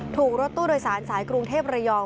รถตู้โดยสารสายกรุงเทพระยอง